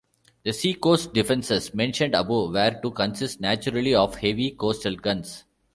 The seacoast defenses, mentioned above, were to consist, naturally, of heavy coastal guns.